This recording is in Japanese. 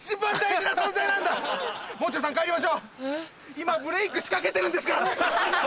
今ブレークしかけてるんですから！